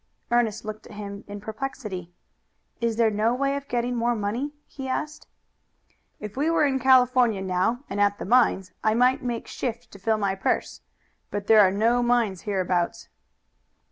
Ernest looked at him in perplexity. "Is there no way of getting more money?" he asked. "If we were in California now and at the mines, I might make shift to fill my purse; but there are no mines hereabouts."